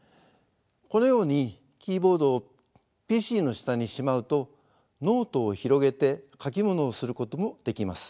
このようにキーボードをＰＣの下にしまうとノートを広げて書きものをすることもできます。